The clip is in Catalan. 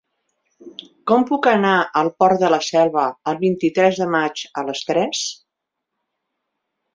Com puc anar al Port de la Selva el vint-i-tres de maig a les tres?